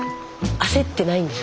焦ってないです。